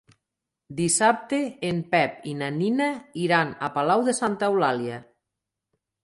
Dissabte en Pep i na Nina iran a Palau de Santa Eulàlia.